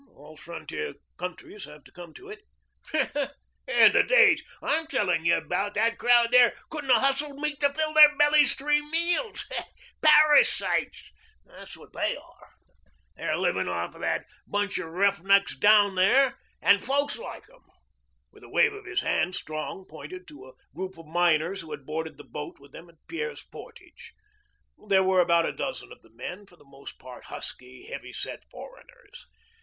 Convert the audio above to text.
"All frontier countries have to come to it." "Hmp! In the days I'm telling you about that crowd there couldn't 'a' hustled meat to fill their bellies three meals. Parasites, that's what they are. They're living off that bunch of roughnecks down there and folks like 'em." With a wave of his hand Strong pointed to a group of miners who had boarded the boat with them at Pierre's Portage. There were about a dozen of the men, for the most part husky, heavy set foreigners.